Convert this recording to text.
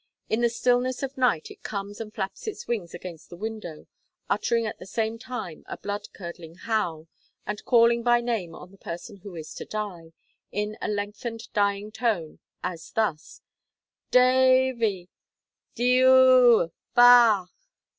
In the stillness of night it comes and flaps its wings against the window, uttering at the same time a blood curdling howl, and calling by name on the person who is to die, in a lengthened dying tone, as thus: 'Da a a vy!' 'De i i o o o ba a a ch!'